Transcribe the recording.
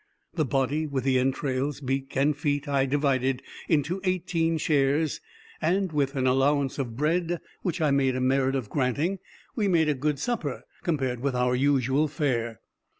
The body, with the entrails, beak, and feet, I divided into eighteen shares, and, with an allowance of bread, which I made a merit of granting, we made a good supper, compared with our usual fare.